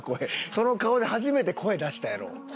その顔で初めて声出したやろ？